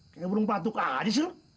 kaya burung patuk aja